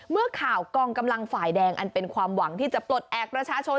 เมื่อข่าวกองกำลังฝ่ายแดงอันเป็นความหวังที่จะปลดแอบประชาชน